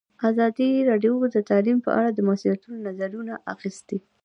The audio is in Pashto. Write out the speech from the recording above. ازادي راډیو د تعلیم په اړه د مسؤلینو نظرونه اخیستي.